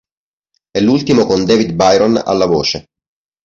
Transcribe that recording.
È l'ultimo con David Byron alla voce.